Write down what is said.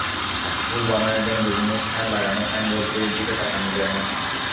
ভুল বানানের জন্য বিভিন্ন স্থানে লাগানো সাইনবোর্ডগুলোর দিকে তাকানো যায় না।